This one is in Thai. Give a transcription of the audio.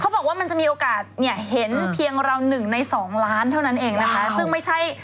เขาบอกว่ามันจะมีโอกาสเห็นเพียงเรา๑ใน๒ล้านเท่านั้นเองนะคะ